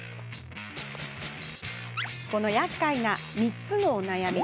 このやっかいな３つのお悩み。